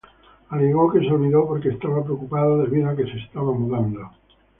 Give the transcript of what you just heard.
Alegó que se olvidó porque estaba preocupado, debido a que se estaba mudando.